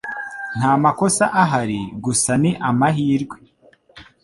Nta makosa ahari, gusa ni amahirwe.”